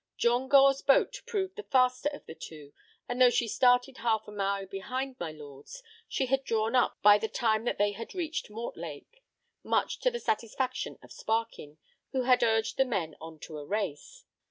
John Gore's boat proved the faster of the two, and though she started half a mile behind my lord's, she had drawn up by the time that they had reached Mortlake, much to the satisfaction of Sparkin, who had urged the men on to a race.